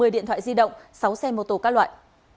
một mươi điện thoại di động sáu xe mô tô các loại